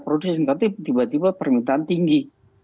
produksi tiba tiba permintaan tinggi